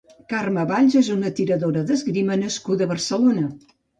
Carmen Valls és una tiradora d'esgrima nascuda a Barcelona.